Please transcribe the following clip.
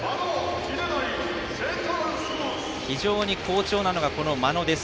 非常に好調なのが眞野です。